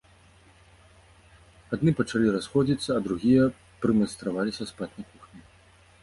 Адны пачалі расходзіцца, а другія прымайстраваліся спаць на кухні.